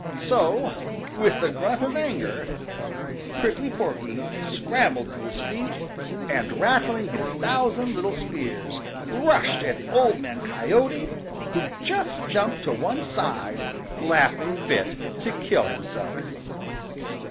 So, with a grunt of anger, Prickly Porky scrambled to his feet, and rattling his thousand little spears, rushed at Old Man Coyote, who just jumped to one side, laughing fit to kill himself.